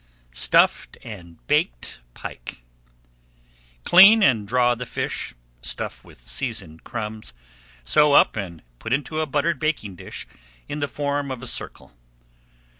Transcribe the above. STUFFED AND BAKED PIKE Clean and draw the fish, stuff with seasoned crumbs, sew up and put into a buttered baking dish in the form of a circle.